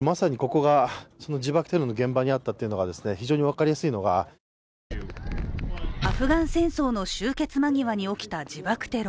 まさにここが自爆テロの現場にあったというのが非常に分かりやすいのがアフガン戦争の終結間際に起きた自爆テロ。